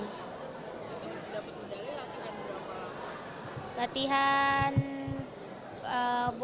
dapat medali latihan berapa